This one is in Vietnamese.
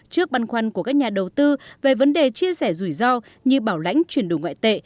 trước băn khoăn của các nhà đầu tư về vấn đề chia sẻ rủi ro như bảo lãnh chuyển đủ ngoại tệ